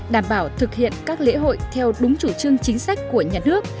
đảm bảo thực hiện các lễ hội theo đúng chủ trương chính sách của nhà nước